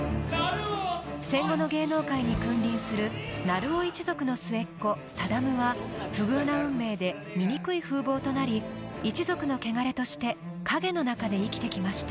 戦後の芸能界に君臨する鳴尾一族の末っ子・定は不遇な運命で醜い風貌となり一族のけがれとして影の中で生きてきました。